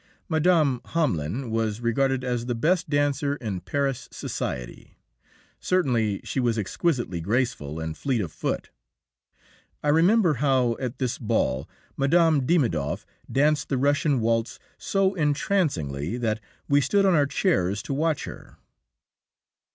Mme. Hamelin was regarded as the best dancer in Paris society. Certainly she was exquisitely graceful and fleet of foot. I remember how, at this ball, Mme. Dimidoff danced the Russian waltz so entrancingly that we stood on our chairs to watch her.